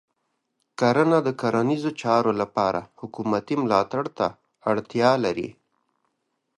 کرنه د کرنیزو چارو لپاره حکومتې ملاتړ ته اړتیا لري.